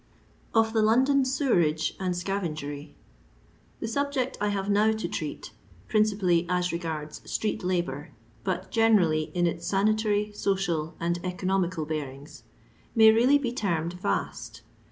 Of THE LoNDOH Seweoaob and Soayevobbt. Tub subject I have now to treat— principally as regards street Ubour, but generally in its sanitary, soci:il, and economical bearings — may really be termed vast.